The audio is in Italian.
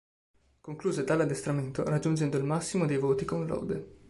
Concluse tale addestramento raggiungendo il massimo dei voti con lode.